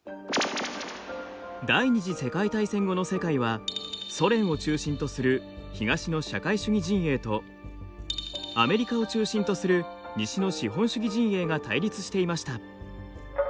第２次世界大戦後の世界はソ連を中心とする東の社会主義陣営とアメリカを中心とする西の資本主義陣営が対立していました。